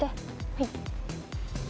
「はい」